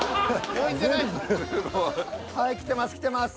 はいきてますきてます。